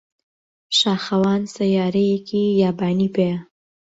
شاخەوان سەیارەیەکی یابانی پێیە.